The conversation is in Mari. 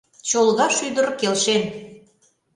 «Чолга шӱдыр» келшен.